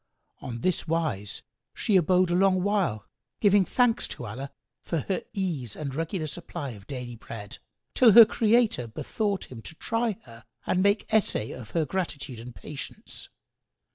On this wise she abode a long while, still giving thanks to Allah for her ease and regular supply of daily bread, till her Creator bethought Him to try her and make essay of her gratitude and patience.